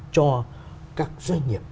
cho các doanh nghiệp